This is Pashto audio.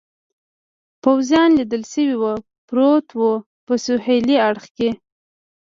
پوځیان لیدل شوي و، پروت و، په سهېلي اړخ کې.